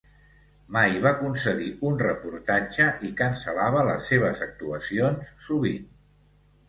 Mai va concedir un reportatge i cancel·lava les seves actuacions sovint.